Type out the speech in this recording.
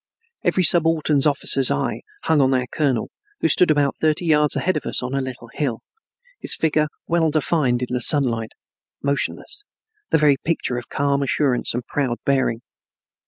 Every subaltern officer's eye hung on our colonel, who stood about thirty yards ahead of us on a little hill, his figure well defined in the sunlight, motionless, the very picture of calm assurance and proud bearing.